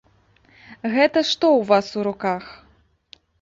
Гэта што ў вас у руках?